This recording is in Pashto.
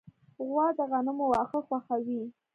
غوا د غنمو واښه خوښوي.